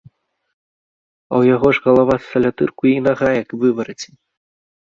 А ў яго ж галава з салятырку і нага, як выварацень.